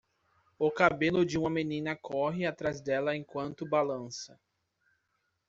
O cabelo de uma menina corre atrás dela enquanto balança